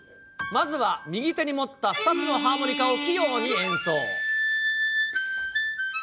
まずは右手に持った２つのハーモニカを器用に演奏。